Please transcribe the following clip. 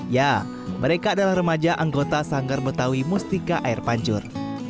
ya mereka adalah remaja anggota sanggar betawi mustika air pancur